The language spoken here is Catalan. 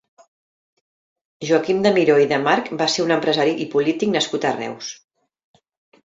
Joaquim de Miró i de March va ser un empresari i polític nascut a Reus.